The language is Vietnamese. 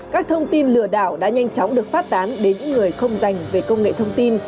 các thông tin lừa đảo đã nhanh chóng được phát tán đến những người không dành về công nghệ thông tin